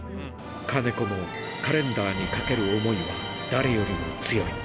金子のカレンダーにかける思いは誰よりも強い。